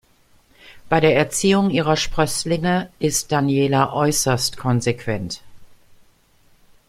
Bei der Erziehung ihrer Sprösslinge ist Daniela äußerst konsequent.